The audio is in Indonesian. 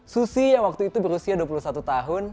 susi yang waktu itu berusia dua puluh satu tahun